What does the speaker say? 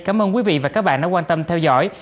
cảm ơn quý vị và các bạn đã quan tâm theo dõi